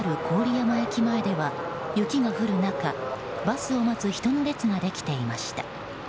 ＪＲ郡山駅前では雪が降る中バスを待つ人の列ができていました。